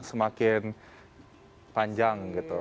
semakin panjang gitu